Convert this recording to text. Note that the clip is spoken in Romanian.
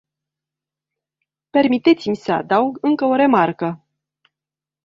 Permiteți-mi să adaug încă o remarcă.